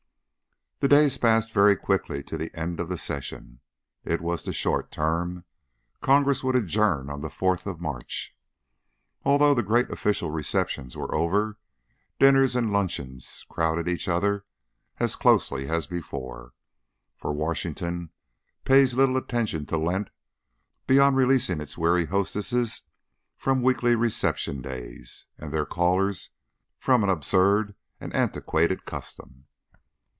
The days passed very quickly to the end of the session. It was the short term; Congress would adjourn on the fourth of March. Although the great official receptions were over, dinners and luncheons crowded each other as closely as before, for Washington pays little attention to Lent beyond releasing its weary hostesses from weekly reception days, and their callers from an absurd and antiquated custom.